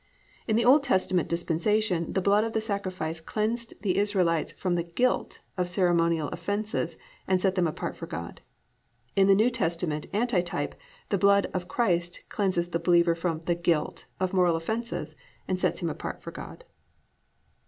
In the Old Testament dispensation the blood of the sacrifice cleansed the Israelites from the guilt of ceremonial offenses and set them apart for God; in the New Testament anti type the blood of Christ cleanseth the believer from the guilt of moral offenses and sets him apart for God.